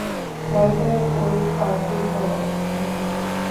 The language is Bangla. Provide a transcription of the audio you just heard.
হয়তো ওই পার্টির পরে, মনে হয়।